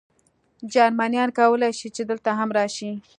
جرمنیان کولای شي، چې دلته هم راشي.